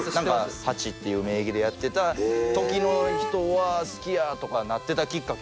ハチっていう名義でやってた時の人は「好きや」とかなってたきっかけよ。